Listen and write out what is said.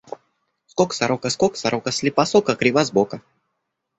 Скок, сорока, скок, сорока, слепа с ока, крива с бока.